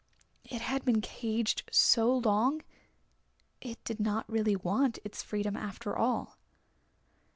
It had been caged so long it did not really want its freedom after all.